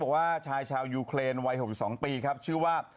บอกว่าชายชาวยูเครนวิธี๒ปีชื่อว่า